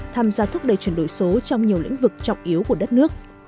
tham gia thúc đẩy chuyển đổi số trong nhiều lĩnh vực trọng yếu của đất nước